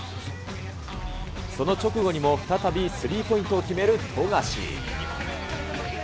その直後にも再びスリーポイントを決める富樫。